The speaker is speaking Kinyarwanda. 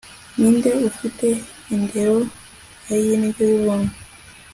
Ninde ufite indero ay indyo yubuntu